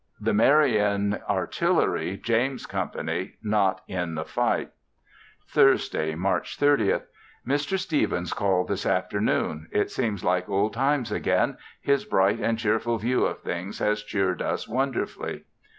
The Marion Artillery (James's company) not in the fight. Thursday, March 30th. Mr. Stevens called this afternoon. It seems like old times again, his bright and cheerful view of things has cheered us wonderfully.